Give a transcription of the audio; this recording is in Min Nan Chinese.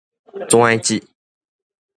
跩折